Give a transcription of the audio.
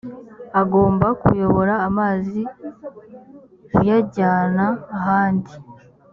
agomba kuyobora amazi uyajyana ahandi